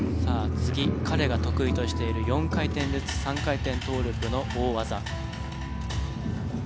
次彼が得意としている４回転ルッツ３回転トーループの大技。